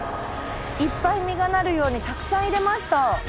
いっぱい実がなるようにたくさん入れました。